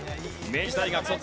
明治大学卒。